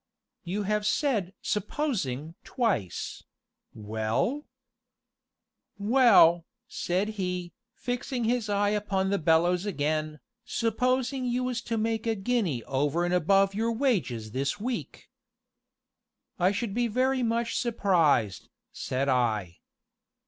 "You have said 'supposing' twice well?" "Well," said he, fixing his eye upon the bellows again, "supposing you was to make a guinea over an' above your wages this week?" "I should be very much surprised," said I.